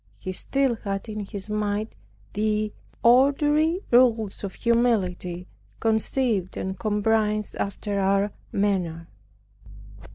He still had in his mind the ordinary rules of humility conceived and comprised after our manner.